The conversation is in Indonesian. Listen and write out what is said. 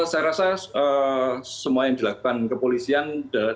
saya rasa semua yang dilakukan kepolisian